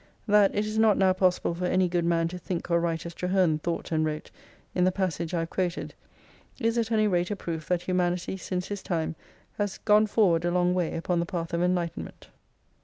That it is not now possible for any good man to think or write as Traherne thought and wrote in the passage I have quoted is at any rate a proof that humanity since his time has gone forward a long way upon the path of enlightenment.